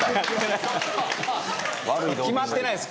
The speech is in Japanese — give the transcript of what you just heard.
キマってないです。